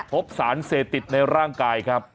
พบสารเสพติดในร่างกายครับ